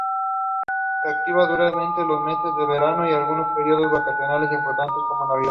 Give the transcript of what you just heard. Se activa durante los meses de verano y algunos periodos vacacionales importantes como navidad.